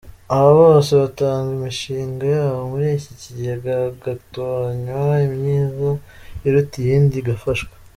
Aba bose batanga imishinga yabo muri iki kigega hagatoranywa imyiza iruta iyindi igafashwa.